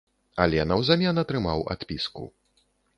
Але наўзамен атрымаў адпіску.